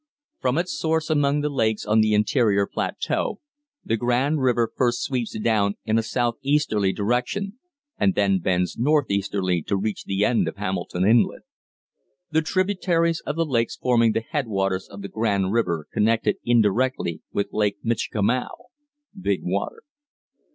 From its source among the lakes on the interior plateau, the Grand River first sweeps down in a southeasterly direction and then bends northeasterly to reach the end of Hamilton Inlet. The tributaries of the lakes forming the headwaters of the Grand River connect it indirectly with Lake Michikamau (Big Water).